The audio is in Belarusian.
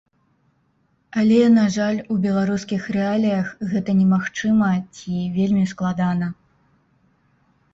Але, на жаль, у беларускіх рэаліях гэта немагчыма ці вельмі складана.